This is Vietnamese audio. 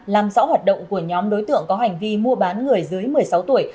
làm rõ hoạt động của nhóm đối tượng có hành vi mua bán người dưới một mươi sáu tuổi